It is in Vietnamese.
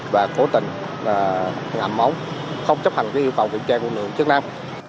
và cố tình ngạm móng không chấp hành cái yêu cầu kiểm tra của người dân trước năm